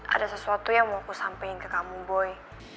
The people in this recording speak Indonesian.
ada sesuatu yang mau aku sampein ke kamu boy